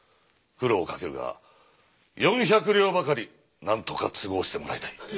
苦労をかけるが４００両ばかりなんとか都合してもらいたい。